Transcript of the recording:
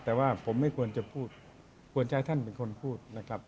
แต่ว่าผมไม่ควรจะพูดควรจะให้ท่านเป็นคนพูดนะครับ